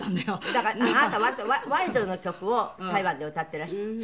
だからあなた割とワイルドな曲を台湾で歌っていらして。